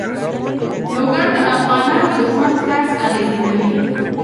لوگر د افغانانو د ژوند طرز اغېزمنوي.